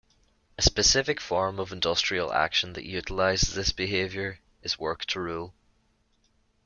A specific form of industrial action that utilizes this behavior is work-to-rule.